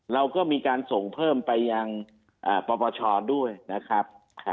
เราก็มีการส่งเพิ่มไปยังปปชด้วยนะครับ